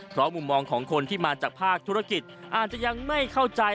เพราะมุมมองของคนที่มาจากภาคธุรกิจอาจจะยังไม่เข้าใจ